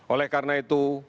oleh karena itu